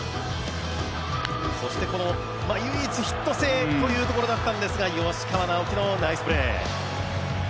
そして、唯一ヒット性という当たりだったんですが、吉川尚輝のナイスプレー！